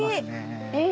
え！